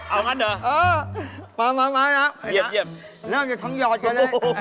เอามันเหรอเยี่ยมมานะเริ่มจากทางหยอดไว้